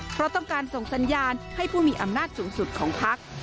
เพราะต้องการส่งสัญญาณให้ผู้มีอำนาจสูงสุดของพัก